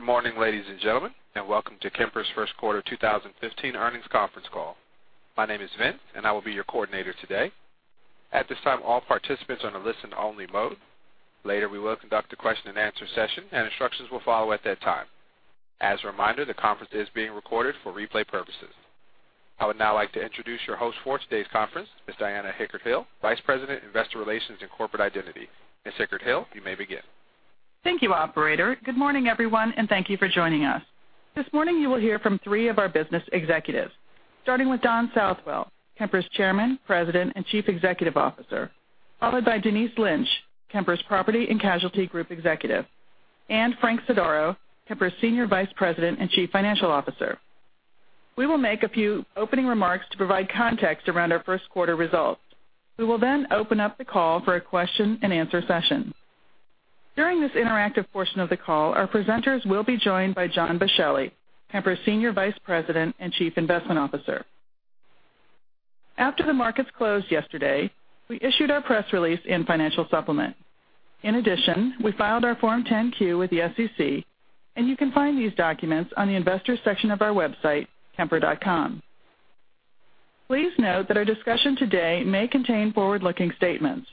Good morning, ladies and gentlemen, and welcome to Kemper's first quarter 2015 earnings conference call. My name is Vince, and I will be your coordinator today. At this time, all participants are in a listen-only mode. Later, we will conduct a question and answer session, and instructions will follow at that time. As a reminder, the conference is being recorded for replay purposes. I would now like to introduce your host for today's conference, Ms. Diana Hickert-Hill, Vice President, Investor Relations and Corporate Identity. Ms. Hickert-Hill, you may begin. Thank you, operator. Good morning, everyone, and thank you for joining us. This morning, you will hear from three of our business executives, starting with Don Southwell, Kemper's Chairman, President, and Chief Executive Officer, followed by Denise Lynch, Kemper's Property and Casualty Group Executive, and Frank Sodaro, Kemper's Senior Vice President and Chief Financial Officer. We will make a few opening remarks to provide context around our first quarter results. We will then open up the call for a question and answer session. During this interactive portion of the call, our presenters will be joined by John Boschelli, Kemper's Senior Vice President and Chief Investment Officer. After the markets closed yesterday, we issued our press release and financial supplement. In addition, we filed our Form 10-Q with the SEC, and you can find these documents on the investors section of our website, kemper.com. Please note that our discussion today may contain forward-looking statements.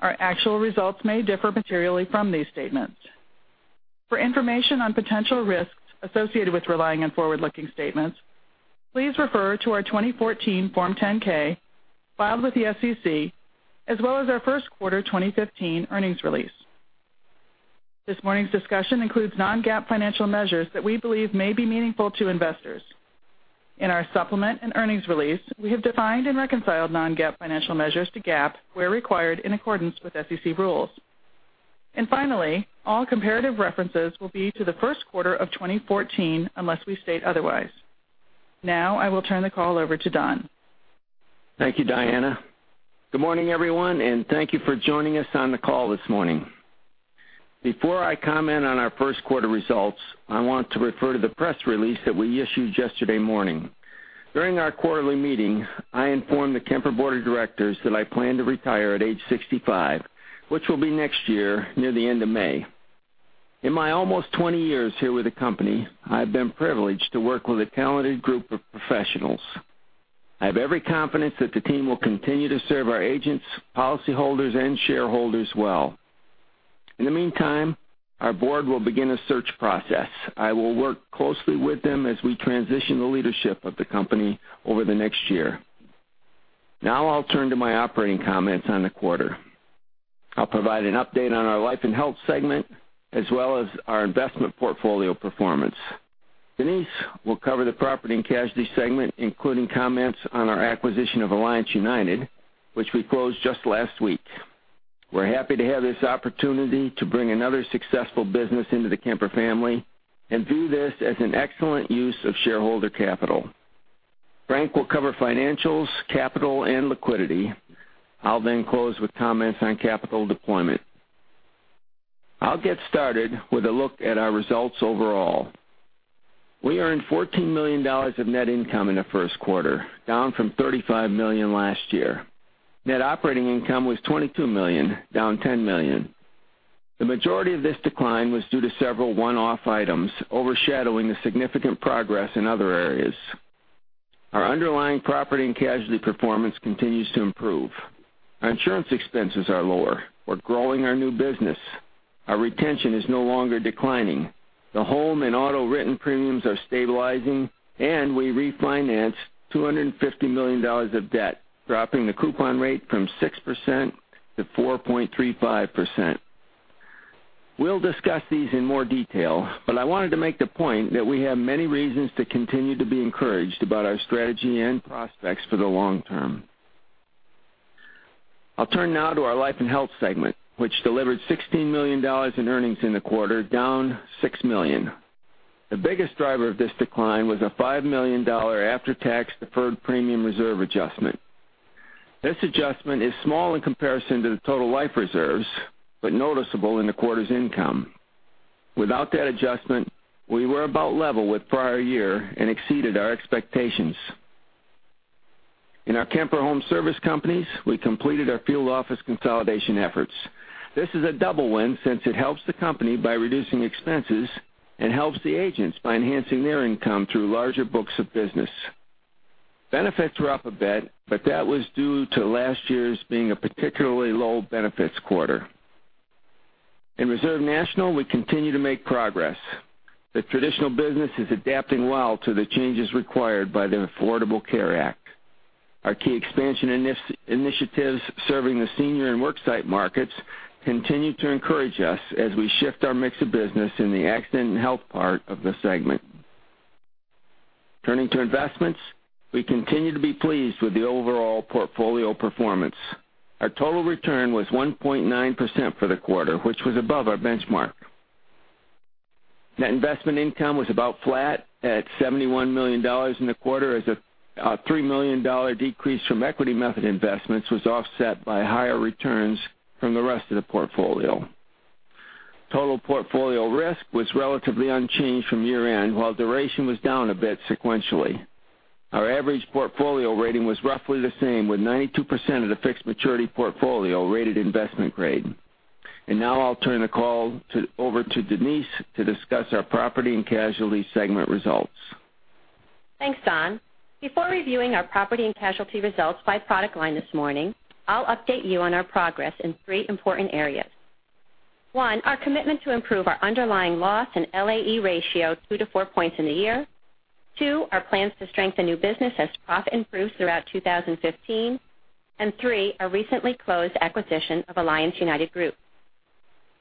Our actual results may differ materially from these statements. For information on potential risks associated with relying on forward-looking statements, please refer to our 2014 Form 10-K filed with the SEC, as well as our first quarter 2015 earnings release. This morning's discussion includes non-GAAP financial measures that we believe may be meaningful to investors. In our supplement and earnings release, we have defined and reconciled non-GAAP financial measures to GAAP where required in accordance with SEC rules. Finally, all comparative references will be to the first quarter of 2014 unless we state otherwise. Now, I will turn the call over to Don. Thank you, Diana. Good morning, everyone, and thank you for joining us on the call this morning. Before I comment on our first quarter results, I want to refer to the press release that we issued yesterday morning. During our quarterly meeting, I informed the Kemper Board of Directors that I plan to retire at age 65, which will be next year near the end of May. In my almost 20 years here with the company, I've been privileged to work with a talented group of professionals. I have every confidence that the team will continue to serve our agents, policyholders, and shareholders well. In the meantime, our board will begin a search process. I will work closely with them as we transition the leadership of the company over the next year. Now I'll turn to my operating comments on the quarter. I'll provide an update on our life and health segment, as well as our investment portfolio performance. Denise will cover the property and casualty segment, including comments on our acquisition of Alliance United, which we closed just last week. We're happy to have this opportunity to bring another successful business into the Kemper family and view this as an excellent use of shareholder capital. Frank will cover financials, capital, and liquidity. I'll close with comments on capital deployment. I'll get started with a look at our results overall. We earned $14 million of net income in the first quarter, down from $35 million last year. Net operating income was $22 million, down $10 million. The majority of this decline was due to several one-off items overshadowing the significant progress in other areas. Our underlying property and casualty performance continues to improve. Our insurance expenses are lower. We're growing our new business. Our retention is no longer declining. The home and auto written premiums are stabilizing. We refinanced $250 million of debt, dropping the coupon rate from 6% to 4.35%. We'll discuss these in more detail, but I wanted to make the point that we have many reasons to continue to be encouraged about our strategy and prospects for the long term. I'll turn now to our life and health segment, which delivered $16 million in earnings in the quarter, down $6 million. The biggest driver of this decline was a $5 million after-tax deferred premium reserve adjustment. This adjustment is small in comparison to the total life reserves, but noticeable in the quarter's income. Without that adjustment, we were about level with prior year and exceeded our expectations. In our Kemper Home Service companies, we completed our field office consolidation efforts. This is a double win since it helps the company by reducing expenses and helps the agents by enhancing their income through larger books of business. Benefits were up a bit, but that was due to last year's being a particularly low benefits quarter. In Reserve National, we continue to make progress. The traditional business is adapting well to the changes required by the Affordable Care Act. Our key expansion initiatives serving the senior and worksite markets continue to encourage us as we shift our mix of business in the accident and health part of the segment. Turning to investments, we continue to be pleased with the overall portfolio performance. Our total return was 1.9% for the quarter, which was above our benchmark. Net investment income was about flat at $71 million in the quarter as a $3 million decrease from equity method investments was offset by higher returns from the rest of the portfolio. Total portfolio risk was relatively unchanged from year-end, while duration was down a bit sequentially. Our average portfolio rating was roughly the same, with 92% of the fixed maturity portfolio rated investment grade. Now I'll turn the call over to Denise to discuss our property and casualty segment results. Thanks, Don. Before reviewing our property and casualty results by product line this morning, I'll update you on our progress in three important areas. One, our commitment to improve our underlying loss and LAE ratio 2 to 4 points in the year. Two, our plans to strengthen new business as profit improves throughout 2015, and three, our recently closed acquisition of Alliance United Group.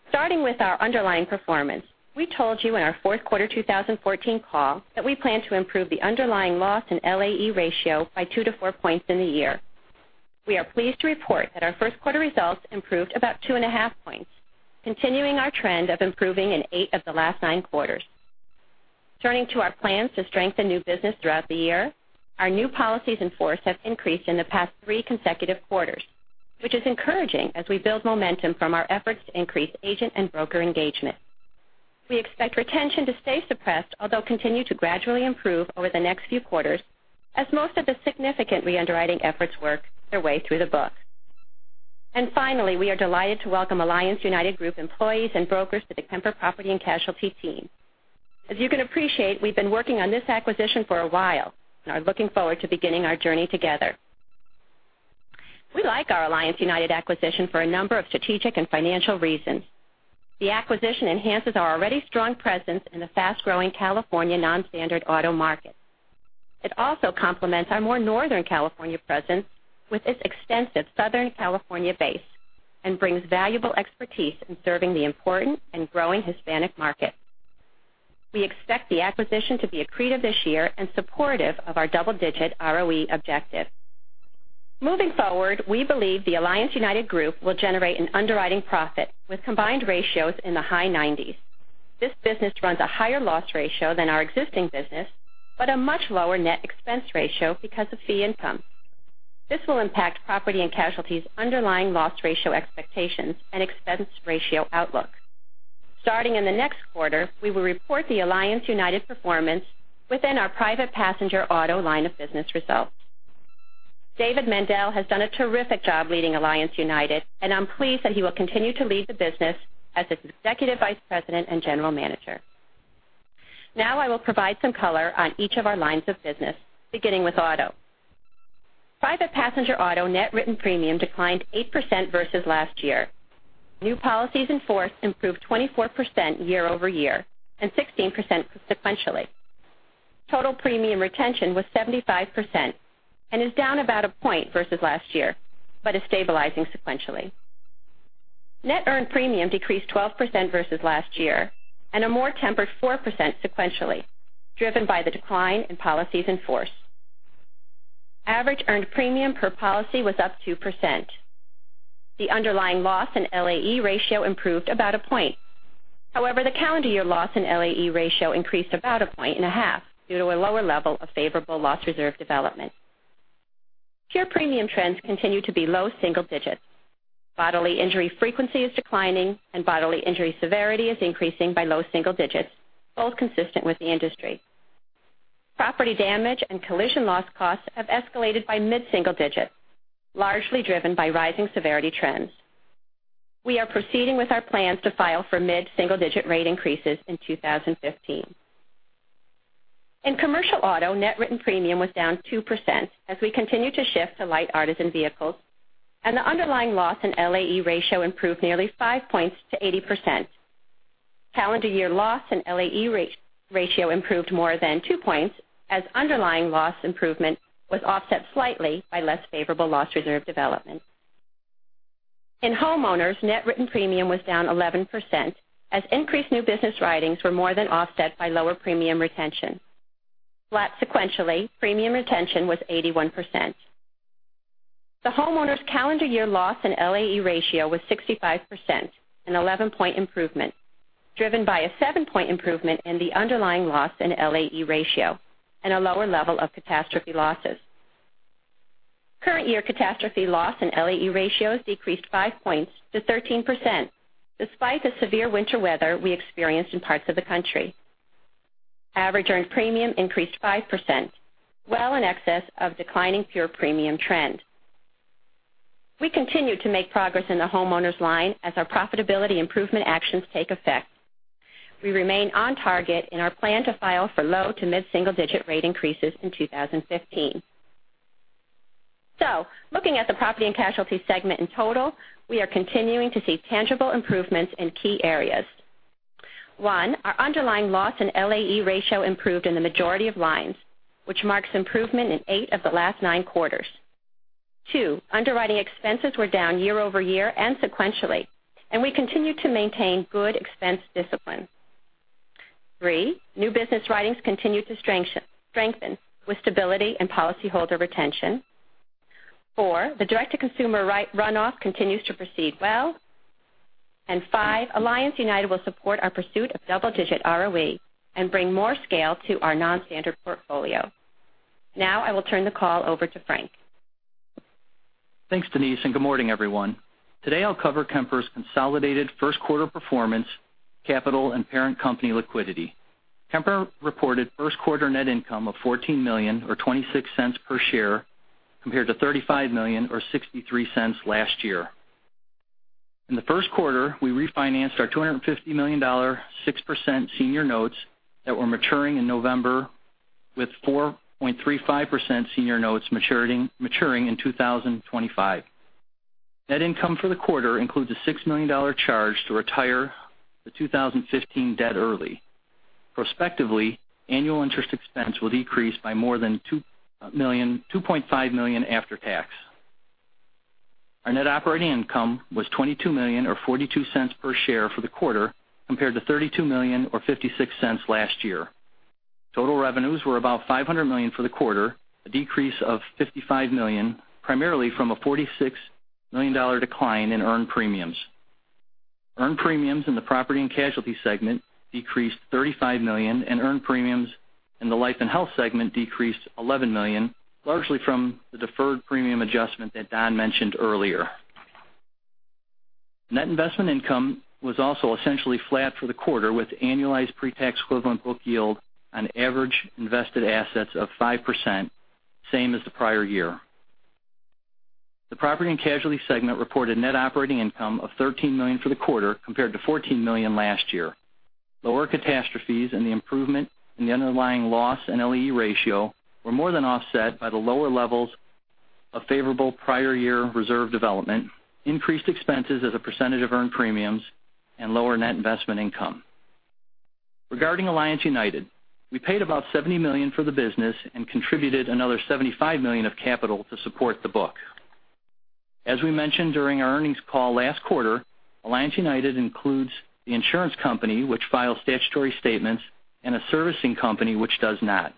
Starting with our underlying performance, we told you in our fourth quarter 2014 call that we plan to improve the underlying loss in LAE ratio by 2 to 4 points in the year. We are pleased to report that our first quarter results improved about two and a half points, continuing our trend of improving in eight of the last nine quarters. Turning to our plans to strengthen new business throughout the year, our new policies in force have increased in the past three consecutive quarters, which is encouraging as we build momentum from our efforts to increase agent and broker engagement. We expect retention to stay suppressed, although continue to gradually improve over the next few quarters as most of the significant re-underwriting efforts work their way through the book. Finally, we are delighted to welcome Alliance United Group employees and brokers to the Kemper Property and Casualty team. As you can appreciate, we've been working on this acquisition for a while and are looking forward to beginning our journey together. We like our Alliance United acquisition for a number of strategic and financial reasons. The acquisition enhances our already strong presence in the fast-growing California non-standard auto market. It also complements our more Northern California presence with its extensive Southern California base and brings valuable expertise in serving the important and growing Hispanic market. We expect the acquisition to be accretive this year and supportive of our double-digit ROE objective. Moving forward, we believe the Alliance United Group will generate an underwriting profit with combined ratios in the high 90s. This business runs a higher loss ratio than our existing business, but a much lower net expense ratio because of fee income. This will impact Property and Casualty's underlying loss ratio expectations and expense ratio outlook. Starting in the next quarter, we will report the Alliance United performance within our private passenger auto line of business results. David Mendel has done a terrific job leading Alliance United, and I'm pleased that he will continue to lead the business as its Executive Vice President and General Manager. Now I will provide some color on each of our lines of business, beginning with auto. Private passenger auto net written premium declined 8% versus last year. New policies in force improved 24% year-over-year and 16% sequentially. Total premium retention was 75% and is down about a point versus last year, but is stabilizing sequentially. Net earned premium decreased 12% versus last year and a more tempered 4% sequentially, driven by the decline in policies in force. Average earned premium per policy was up 2%. The underlying loss and LAE ratio improved about a point. However, the calendar year loss in LAE ratio increased about a point and a half due to a lower level of favorable loss reserve development. Pure premium trends continue to be low single digits. Bodily injury frequency is declining, and bodily injury severity is increasing by low single digits, both consistent with the industry. Property damage and collision loss costs have escalated by mid-single digits, largely driven by rising severity trends. We are proceeding with our plans to file for mid-single-digit rate increases in 2015. In commercial auto, net written premium was down 2% as we continue to shift to light artisan vehicles, and the underlying loss and LAE ratio improved nearly five points to 80%. Calendar year loss and LAE ratio improved more than two points as underlying loss improvement was offset slightly by less favorable loss reserve development. In homeowners, net written premium was down 11% as increased new business writings were more than offset by lower premium retention. Flat sequentially, premium retention was 81%. The homeowners' calendar year loss in LAE ratio was 65%, an 11-point improvement, driven by a seven-point improvement in the underlying loss in LAE ratio and a lower level of catastrophe losses. Current year catastrophe loss in LAE ratios decreased five points to 13%, despite the severe winter weather we experienced in parts of the country. Average earned premium increased 5%, well in excess of declining pure premium trend. We continue to make progress in the homeowners' line as our profitability improvement actions take effect. We remain on target in our plan to file for low to mid-single digit rate increases in 2015. Looking at the property and casualty segment in total, we are continuing to see tangible improvements in key areas. One, our underlying loss in LAE ratio improved in the majority of lines, which marks improvement in eight of the last nine quarters. Two, underwriting expenses were down year-over-year and sequentially, and we continue to maintain good expense discipline. Three, new business writings continue to strengthen with stability and policyholder retention. Four, the direct-to-consumer runoff continues to proceed well. Five, Alliance United will support our pursuit of double-digit ROE and bring more scale to our non-standard portfolio. Now I will turn the call over to Frank. Thanks, Denise, and good morning, everyone. Today, I'll cover Kemper's consolidated first quarter performance, capital, and parent company liquidity. Kemper reported first quarter net income of $14 million, or $0.26 per share, compared to $35 million, or $0.63 last year. In the first quarter, we refinanced our $250 million 6% senior notes that were maturing in November with 4.35% senior notes maturing in 2025. Net income for the quarter includes a $6 million charge to retire the 2015 debt early. Prospectively, annual interest expense will decrease by more than $2.5 million after tax. Our net operating income was $22 million, or $0.42 per share for the quarter, compared to $32 million or $0.56 last year. Total revenues were about $500 million for the quarter, a decrease of $55 million, primarily from a $46 million decline in earned premiums. Earned premiums in the property and casualty segment decreased $35 million, and earned premiums in the life and health segment decreased $11 million, largely from the deferred premium adjustment that Don mentioned earlier. Net investment income was also essentially flat for the quarter, with annualized pre-tax equivalent book yield on average invested assets of 5%, same as the prior year. The property and casualty segment reported net operating income of $13 million for the quarter, compared to $14 million last year. Lower catastrophe losses and the improvement in the underlying loss and LAE ratio were more than offset by the lower levels of favorable prior year loss reserve development, increased expenses as a percentage of earned premiums, and lower net investment income. Regarding Alliance United, we paid about $70 million for the business and contributed another $75 million of capital to support the book. As we mentioned during our earnings call last quarter, Alliance United includes the insurance company, which files statutory statements, and a servicing company which does not.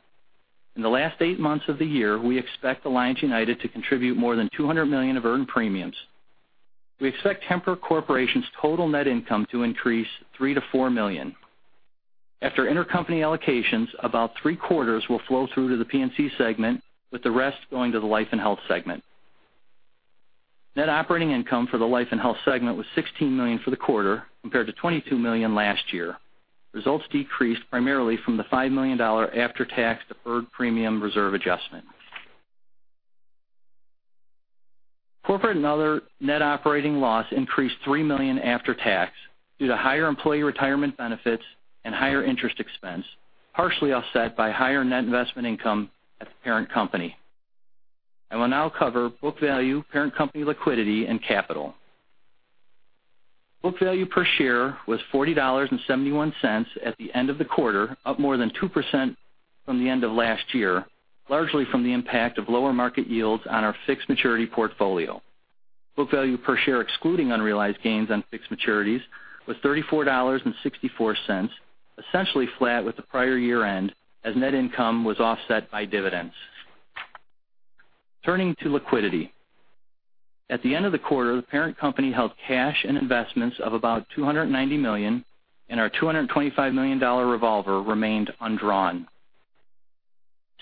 In the last eight months of the year, we expect Alliance United to contribute more than $200 million of earned premiums. We expect Kemper Corporation's total net income to increase $3 million to $4 million. After intercompany allocations, about three-quarters will flow through to the P&C segment, with the rest going to the life and health segment. Net operating income for the life and health segment was $16 million for the quarter, compared to $22 million last year. Results decreased primarily from the $5 million after-tax deferred premium reserve adjustment. Corporate and other net operating loss increased $3 million after tax due to higher employee retirement benefits and higher interest expense, partially offset by higher net investment income at the parent company. I will now cover book value, parent company liquidity, and capital. Book value per share was $40.71 at the end of the quarter, up more than 2% from the end of last year, largely from the impact of lower market yields on our fixed maturity portfolio. Book value per share excluding unrealized gains on fixed maturities was $34.64, essentially flat with the prior year-end, as net income was offset by dividends. Turning to liquidity. At the end of the quarter, the parent company held cash and investments of about $290 million, and our $225 million revolver remained undrawn.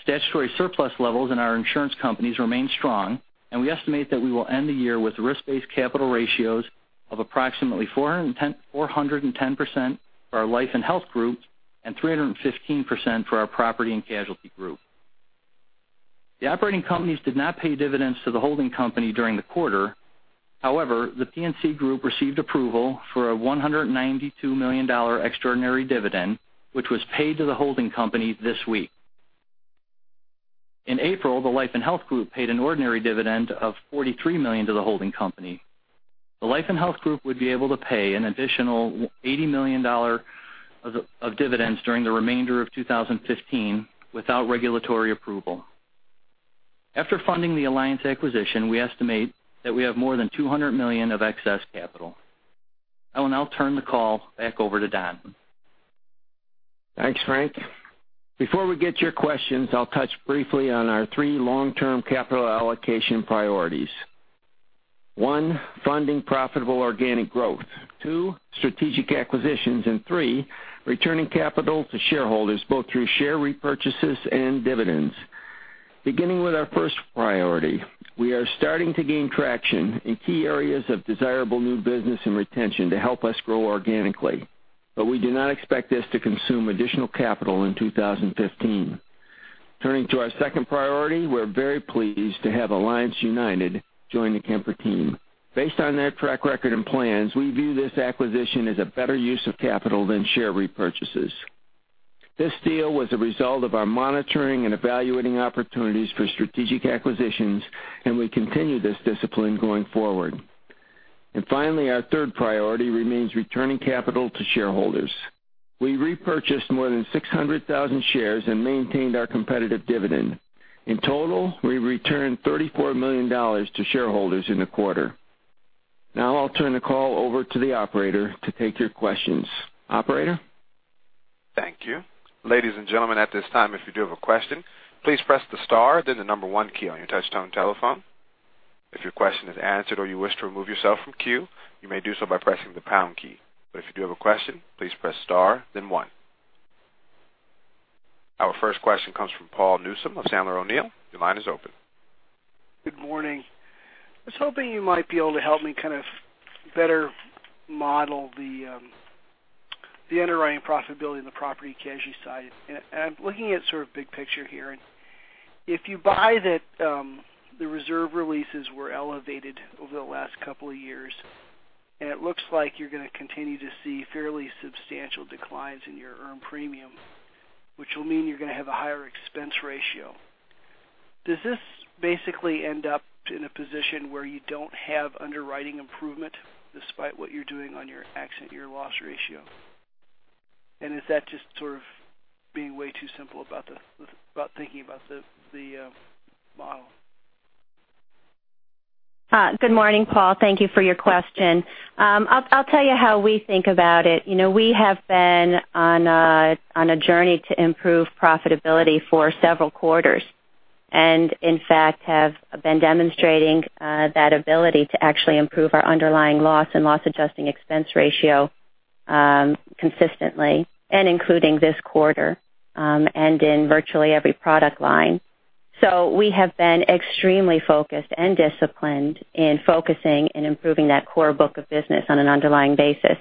Statutory surplus levels in our insurance companies remain strong, and we estimate that we will end the year with risk-based capital ratios of approximately 410% for our life and health group and 315% for our property and casualty group. The operating companies did not pay dividends to the holding company during the quarter. The P&C group received approval for a $192 million extraordinary dividend, which was paid to the holding company this week. In April, the life and health group paid an ordinary dividend of $43 million to the holding company. The life and health group would be able to pay an additional $80 million of dividends during the remainder of 2015 without regulatory approval. After funding the Alliance acquisition, we estimate that we have more than $200 million of excess capital. I will now turn the call back over to Don. Thanks, Frank. Before we get your questions, I'll touch briefly on our three long-term capital allocation priorities. One, funding profitable organic growth. Two, strategic acquisitions. Three, returning capital to shareholders, both through share repurchases and dividends. Beginning with our first priority, we are starting to gain traction in key areas of desirable new business and retention to help us grow organically. We do not expect this to consume additional capital in 2015. Turning to our second priority, we are very pleased to have Alliance United join the Kemper team. Based on their track record and plans, we view this acquisition as a better use of capital than share repurchases. This deal was a result of our monitoring and evaluating opportunities for strategic acquisitions. We continue this discipline going forward. Finally, our third priority remains returning capital to shareholders. We repurchased more than 600,000 shares and maintained our competitive dividend. In total, we returned $34 million to shareholders in the quarter. Now I'll turn the call over to the operator to take your questions. Operator? Thank you. Ladies and gentlemen, at this time, if you do have a question, please press the star then the number 1 key on your touch-tone telephone. If your question is answered or you wish to remove yourself from queue, you may do so by pressing the pound key. If you do have a question, please press star then one. Our first question comes from Paul Newsome of Sandler O'Neill. Your line is open. Good morning. I was hoping you might be able to help me kind of better model the underwriting profitability in the Property & Casualty side. I'm looking at sort of big picture here. If you buy that the reserve releases were elevated over the last couple of years, it looks like you're going to continue to see fairly substantial declines in your earned premium, which will mean you're going to have a higher expense ratio. Does this basically end up in a position where you don't have underwriting improvement despite what you're doing on your accident year loss ratio? Is that just sort of being way too simple about thinking about the model? Good morning, Paul. Thank you for your question. I'll tell you how we think about it. We have been on a journey to improve profitability for several quarters. In fact, have been demonstrating that ability to actually improve our underlying loss and loss adjustment expense ratio consistently, including this quarter, and in virtually every product line. We have been extremely focused and disciplined in focusing and improving that core book of business on an underlying basis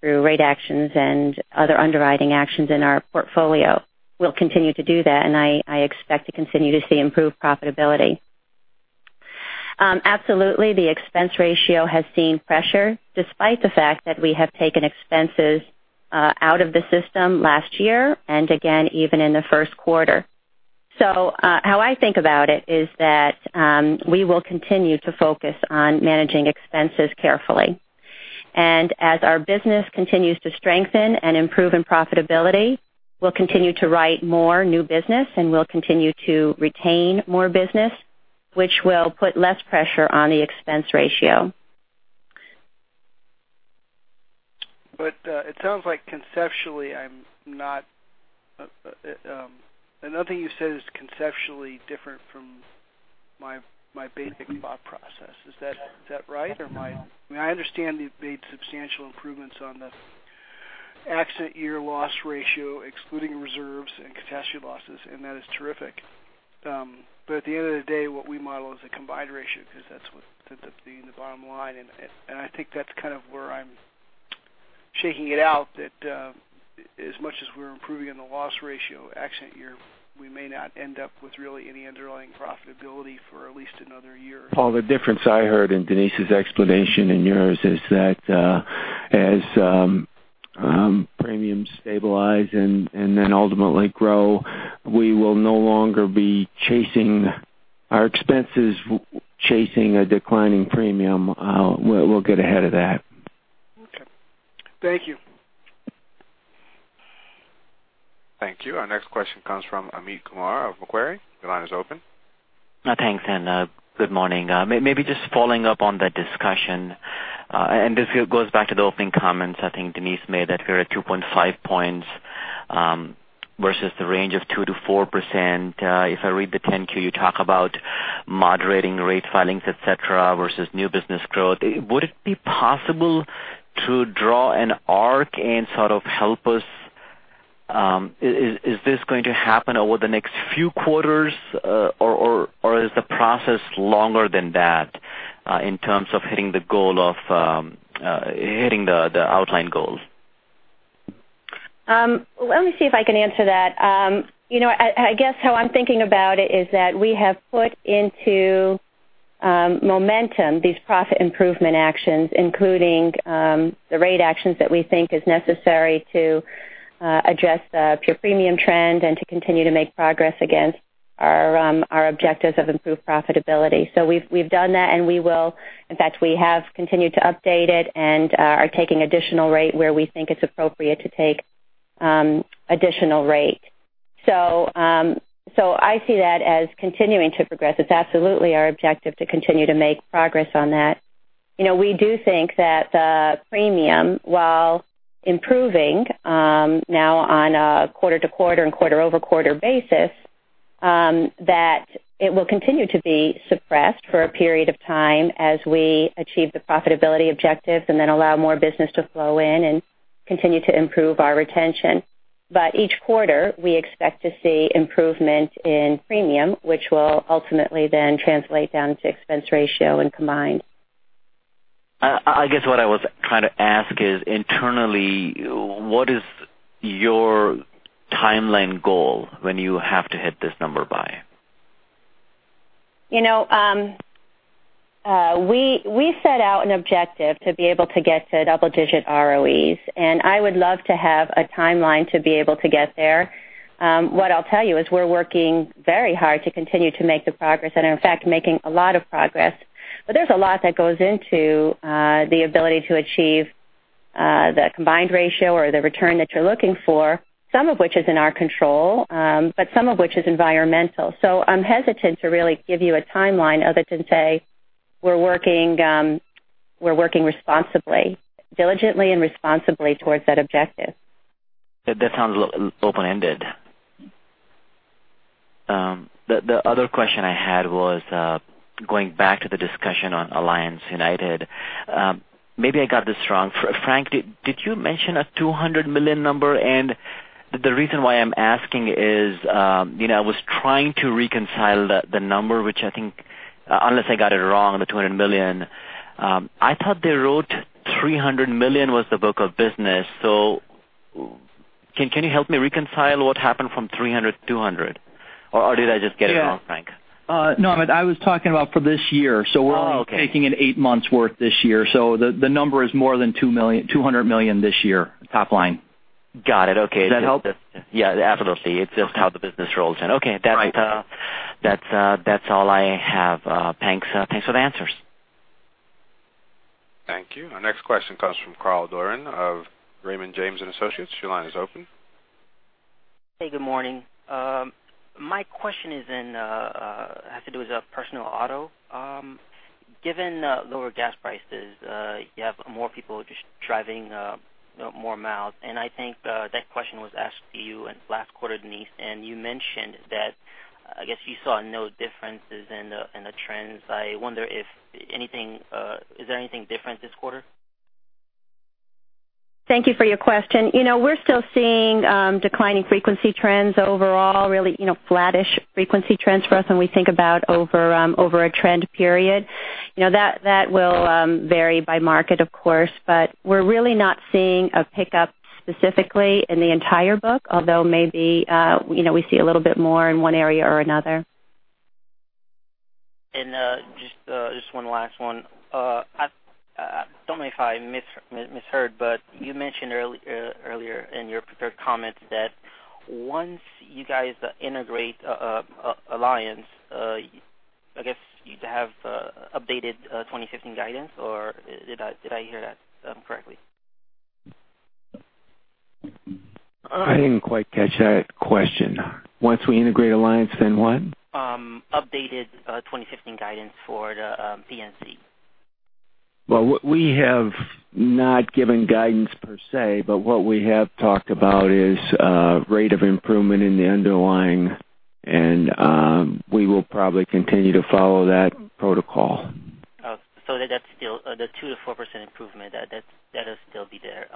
through rate actions and other underwriting actions in our portfolio. We'll continue to do that. I expect to continue to see improved profitability. Absolutely, the expense ratio has seen pressure despite the fact that we have taken expenses out of the system last year and again, even in the first quarter. How I think about it is that we will continue to focus on managing expenses carefully. As our business continues to strengthen and improve in profitability, we'll continue to write more new business, and we'll continue to retain more business, which will put less pressure on the expense ratio. It sounds like conceptually I'm not, another thing you said is conceptually different from my basic thought process. Is that right? I understand you've made substantial improvements on the accident year loss ratio excluding reserves and catastrophe losses. That is terrific. At the end of the day, what we model is a combined ratio because that's what ends up being the bottom line. I think that's kind of where I'm shaking it out, that as much as we're improving in the loss ratio accident year, we may not end up with really any underlying profitability for at least another year. Paul, the difference I heard in Denise's explanation and yours is that as premiums stabilize and then ultimately grow, we will no longer be chasing our expenses, chasing a declining premium. We'll get ahead of that. Okay. Thank you. Thank you. Our next question comes from Amit Kumar of Macquarie. Your line is open. Thanks. Good morning. Maybe just following up on the discussion, and this goes back to the opening comments I think Denise made that we're at 2.5 points versus the range of 2%-4%. If I read the 10-Q, you talk about moderating rate filings, et cetera, versus new business growth. Would it be possible to draw an arc and sort of help us, is this going to happen over the next few quarters or is the process longer than that in terms of hitting the outlined goals? Let me see if I can answer that. I guess how I'm thinking about it is that we have put into momentum these profit improvement actions, including the rate actions that we think is necessary to adjust the pure premium trend and to continue to make progress against our objectives of improved profitability. We've done that, and we have continued to update it and are taking additional rate where we think it's appropriate to take additional rate. I see that as continuing to progress. It's absolutely our objective to continue to make progress on that. We do think that the premium, while improving now on a quarter-to-quarter and quarter-over-quarter basis, that it will continue to be suppressed for a period of time as we achieve the profitability objectives and then allow more business to flow in and continue to improve our retention. Each quarter, we expect to see improvement in premium, which will ultimately then translate down to expense ratio and combined. I guess what I was trying to ask is internally, what is your timeline goal when you have to hit this number by? We set out an objective to be able to get to double-digit ROEs, I would love to have a timeline to be able to get there. What I'll tell you is we're working very hard to continue to make the progress and are in fact making a lot of progress. There's a lot that goes into the ability to achieve the combined ratio or the return that you're looking for, some of which is in our control, but some of which is environmental. I'm hesitant to really give you a timeline other than say we're working responsibly, diligently and responsibly towards that objective. That sounds open-ended. The other question I had was going back to the discussion on Alliance United. Maybe I got this wrong. Frank, did you mention a $200 million number? The reason why I'm asking is I was trying to reconcile the number, which I think, unless I got it wrong, the $200 million. I thought they wrote $300 million was the book of business. Can you help me reconcile what happened from $300 to $200, or did I just get it wrong, Frank? No, I was talking about for this year. Oh, okay. We're only taking in eight months worth this year. The number is more than $200 million this year, top line. Got it. Okay. Does that help? Yeah, absolutely. It's just how the business rolls in. Okay. Right. That's all I have. Thanks for the answers. Thank you. Our next question comes from Carl Doran of Raymond James & Associates. Your line is open. Hey, good morning. My question has to do with personal auto. Given lower gas prices, you have more people just driving more miles, and I think that question was asked to you last quarter, Denise, and you mentioned that you saw no differences in the trends. I wonder is there anything different this quarter? Thank you for your question. We're still seeing declining frequency trends overall, really flattish frequency trends for us when we think about over a trend period. That will vary by market, of course, but we're really not seeing a pickup specifically in the entire book, although maybe we see a little bit more in one area or another. Just one last one. Tell me if I misheard, but you mentioned earlier in your prepared comments that once you guys integrate Alliance, I guess you'd have updated 2015 guidance, or did I hear that correctly? I didn't quite catch that question. Once we integrate Alliance, then what? Updated 2015 guidance for the P&C. Well, we have not given guidance per se, but what we have talked about is rate of improvement in the underlying, and we will probably continue to follow that protocol. That's still the 2%-4% improvement, that'll still be there.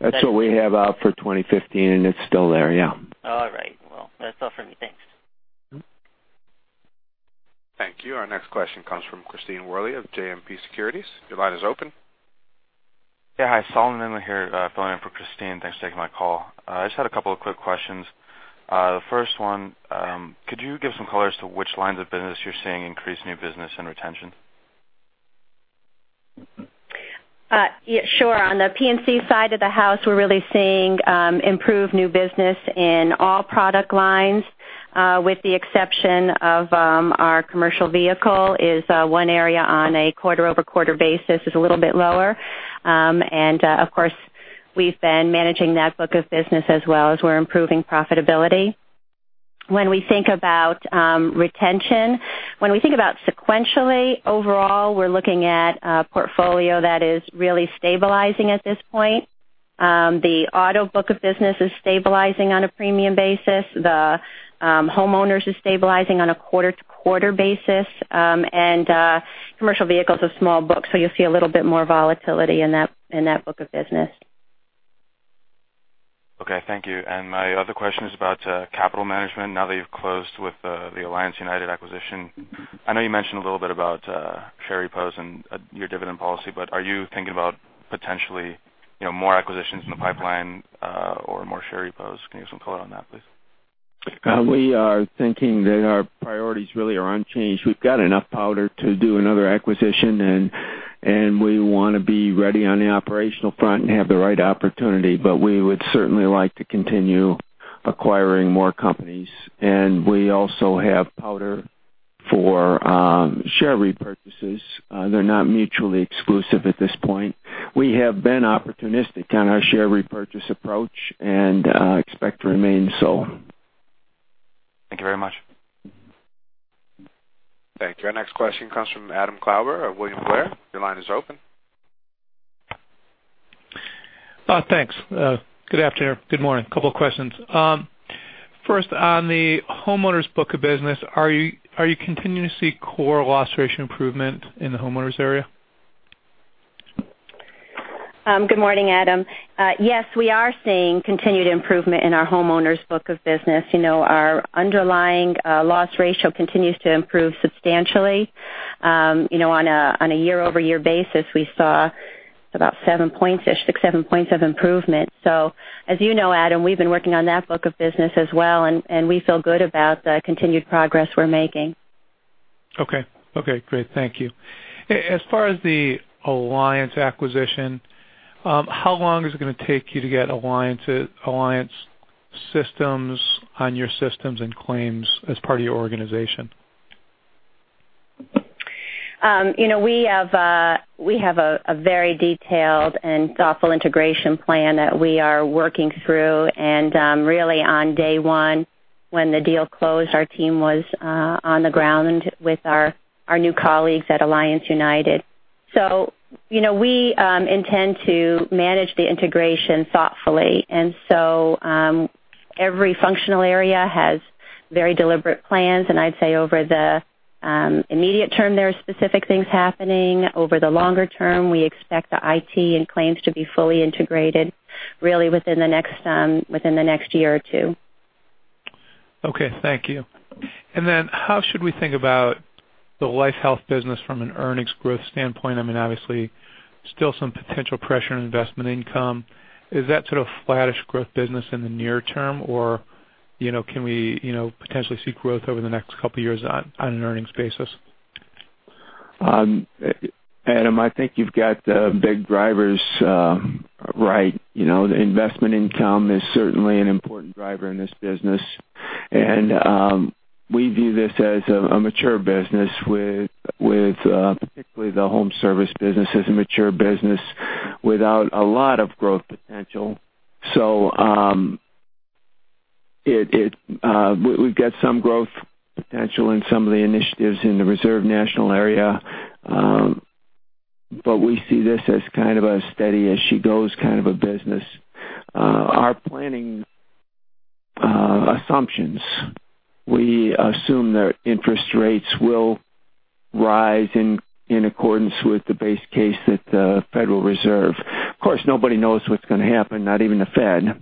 That's what we have out for 2015, and it's still there, yeah. All right. Well, that's all for me. Thanks. Thank you. Our next question comes from Christine Worley of JMP Securities. Your line is open. Yeah. Hi, Solomon in here filling in for Christine. Thanks for taking my call. I just had a couple of quick questions. The first one, could you give some color as to which lines of business you're seeing increased new business and retention? Sure. On the P&C side of the house, we're really seeing improved new business in all product lines with the exception of our commercial vehicle is one area on a quarter-over-quarter basis is a little bit lower. Of course, we've been managing that book of business as well as we're improving profitability. When we think about retention, when we think about sequentially, overall, we're looking at a portfolio that is really stabilizing at this point. The auto book of business is stabilizing on a premium basis. The homeowners is stabilizing on a quarter-to-quarter basis. Commercial vehicle's a small book, so you'll see a little bit more volatility in that book of business. Okay, thank you. My other question is about capital management. Now that you've closed with the Alliance United acquisition, I know you mentioned a little bit about share repos and your dividend policy, are you thinking about potentially more acquisitions in the pipeline or more share repos? Can you give some color on that, please? We are thinking that our priorities really are unchanged. We've got enough powder to do another acquisition, we want to be ready on the operational front and have the right opportunity, we would certainly like to continue acquiring more companies. We also have powder for share repurchases. They're not mutually exclusive at this point. We have been opportunistic on our share repurchase approach and expect to remain so. Thank you very much. Thank you. Our next question comes from Adam Klauber of William Blair. Your line is open. Thanks. Good afternoon. Good morning. Couple of questions. First, on the homeowners book of business, are you continuing to see core loss ratio improvement in the homeowners area? Good morning, Adam. Yes, we are seeing continued improvement in our homeowners book of business. Our underlying loss ratio continues to improve substantially. On a year-over-year basis, we saw about six, seven points of improvement. As you know, Adam, we've been working on that book of business as well, and we feel good about the continued progress we're making. Okay. Great. Thank you. As far as the Alliance acquisition, how long is it going to take you to get Alliance systems on your systems and claims as part of your organization? We have a very detailed and thoughtful integration plan that we are working through. Really on day one when the deal closed, our team was on the ground with our new colleagues at Alliance United. We intend to manage the integration thoughtfully. Every functional area has very deliberate plans. I'd say over the immediate term, there are specific things happening. Over the longer term, we expect the IT and claims to be fully integrated really within the next year or two. Okay. Thank you. How should we think about the life health business from an earnings growth standpoint? I mean, obviously still some potential pressure in investment income. Is that sort of flattish growth business in the near term or can we potentially see growth over the next couple of years on an earnings basis? Adam, I think you've got the big drivers right. The investment income is certainly an important driver in this business. We view this as a mature business with, particularly the home service business, as a mature business without a lot of growth potential. We've got some growth potential in some of the initiatives in the Reserve National area. We see this as kind of a steady as she goes kind of a business. Our planning assumptions, we assume that interest rates will rise in accordance with the base case at the Federal Reserve. Of course, nobody knows what's going to happen, not even the Fed.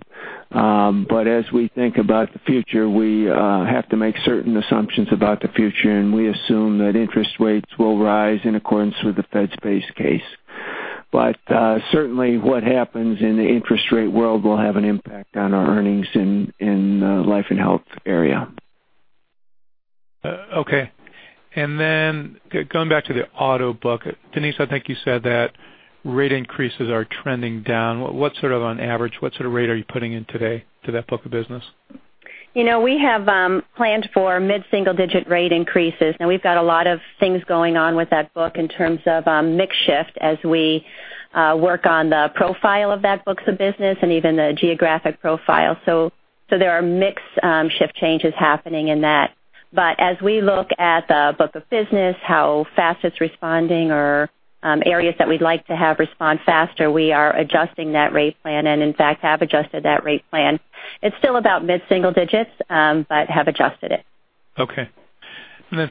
As we think about the future, we have to make certain assumptions about the future, and we assume that interest rates will rise in accordance with the Fed's base case. Certainly what happens in the interest rate world will have an impact on our earnings in the life and health area. Okay. Going back to the auto book, Denise, I think you said that rate increases are trending down. What sort of, on average, what sort of rate are you putting in today to that book of business? We have planned for mid-single-digit rate increases, and we've got a lot of things going on with that book in terms of mix shift as we work on the profile of that books of business and even the geographic profile. There are mix shift changes happening in that. As we look at the book of business, how fast it's responding or areas that we'd like to have respond faster, we are adjusting that rate plan and in fact, have adjusted that rate plan. It's still about mid-single digits, but have adjusted it. Okay.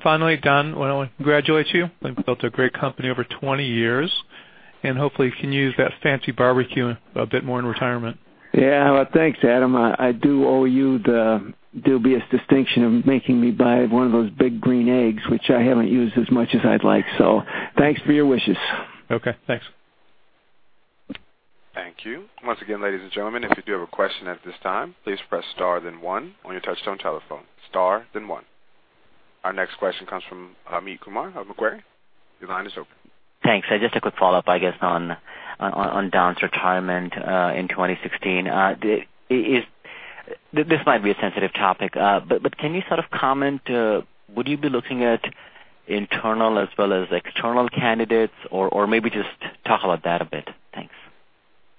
Finally, Don, I want to congratulate you. You've built a great company over 20 years, and hopefully can use that fancy barbecue a bit more in retirement. Thanks, Adam. I do owe you the dubious distinction of making me buy one of those Big Green Egg, which I haven't used as much as I'd like. Thanks for your wishes. Okay. Thanks. Thank you. Once again, ladies and gentlemen, if you do have a question at this time, please press star then one on your touchtone telephone. Star then one. Our next question comes from Amit Kumar of Macquarie. Your line is open. Thanks. Just a quick follow-up, I guess, on Don's retirement, in 2016. This might be a sensitive topic, but can you sort of comment, would you be looking at internal as well as external candidates or maybe just talk about that a bit? Thanks.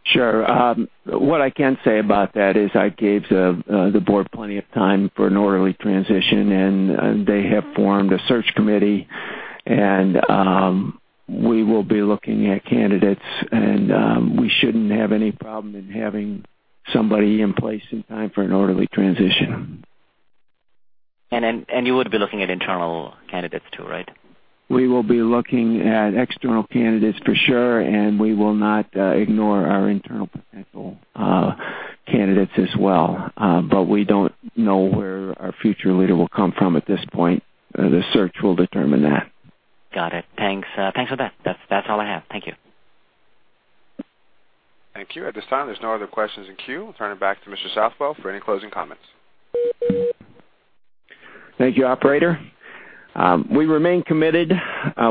Sure. What I can say about that is I gave the board plenty of time for an orderly transition, and they have formed a search committee, and we will be looking at candidates and, we shouldn't have any problem in having somebody in place in time for an orderly transition. You would be looking at internal candidates too, right? We will be looking at external candidates for sure, and we will not ignore our internal potential candidates as well. We don't know where our future leader will come from at this point. The search will determine that. Got it. Thanks. Thanks for that. That's all I have. Thank you. Thank you. At this time, there's no other questions in queue. Turn it back to Mr. Southwell for any closing comments. Thank you, operator. We remain committed.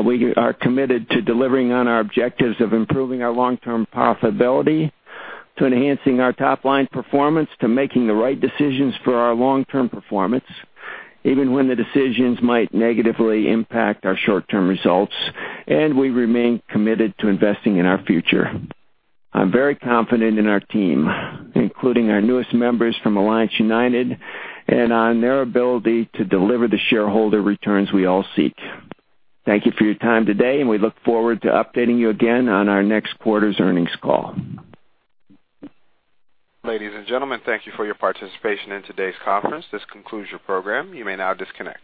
We are committed to delivering on our objectives of improving our long-term profitability, to enhancing our top-line performance, to making the right decisions for our long-term performance, even when the decisions might negatively impact our short-term results. We remain committed to investing in our future. I'm very confident in our team, including our newest members from Alliance United, on their ability to deliver the shareholder returns we all seek. Thank you for your time today, and we look forward to updating you again on our next quarter's earnings call. Ladies and gentlemen, thank you for your participation in today's conference. This concludes your program. You may now disconnect.